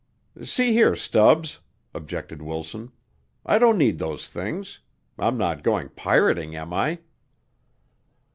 "See here, Stubbs," objected Wilson, "I don't need those things. I'm not going pirating, am I?"